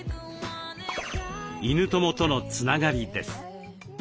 犬友とのつながりです。